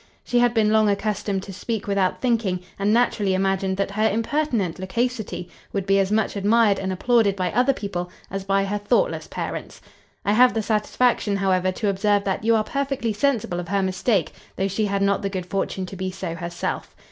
She had been long accustomed to speak without thinking, and naturally imagined that her impertinent loquacity would be as much admired and applauded by other people as by her thoughtless parents. I have the satisfaction, however, to observe that you are perfectly sensible of her mistake, though she had not the good fortune to be so herself.